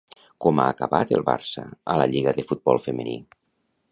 Com ha acabat el Barça a la lliga de futbol femení?